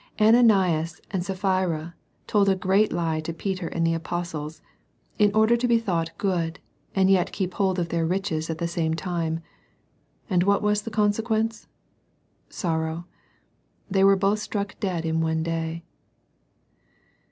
Ananias and Sapphira told a great lie to Peter and the Apostles, in order to be thought good, and yet keep hold of their riches at the same time. And what was the consequence? Sorrow, They were both struck dead in one day.